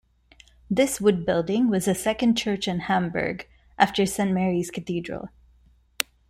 This wood building was the second church in Hamburg, after Saint Mary's Cathedral.